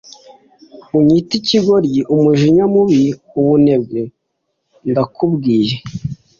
Unyite ikigoryi umujinya mubi ubunebwe Ndakubwiye